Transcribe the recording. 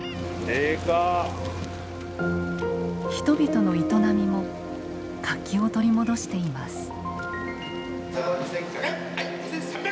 人々の営みも活気を取り戻しています。